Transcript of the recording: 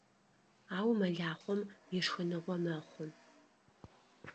Ау мэлахъом ишхыныгъо мэхъу.